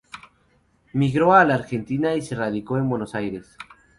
Migró a la Argentina, y se radicó en Buenos Aires.